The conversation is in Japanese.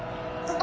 あ。